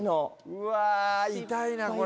うわ痛いなこれ。